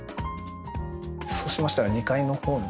そうしましたら２階の方に。